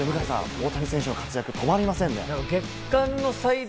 大谷選手の活躍、とまりませんね。